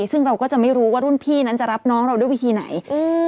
ซึ่งเราก็จะไม่รู้ว่ารุ่นพี่นั้นจะรับน้องเราด้วยวิธีไหน